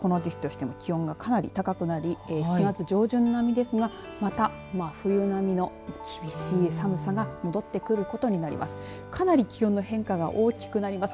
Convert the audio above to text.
あすは札幌、この時期としても気温がかなり高くなり４月上旬並みですがまた、真冬並みの厳しい寒さが戻ってくることになります。